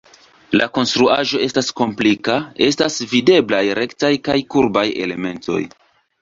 La konstruaĵo estas komplika, estas videblaj rektaj kaj kurbaj elementoj.